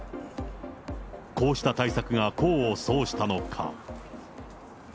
こうした対策が功を奏したのか。